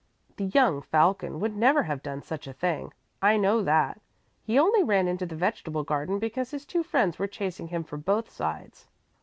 The young Falcon would never have done such a thing, I know that. He only ran into the vegetable garden because his two friends were chasing him from both sides."